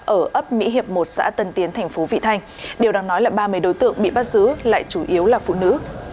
ở ấp mỹ hiệp một xã tân tiến thành phố vị thanh điều đang nói là ba mươi đối tượng bị bắt giữ lại chủ yếu là phụ nữ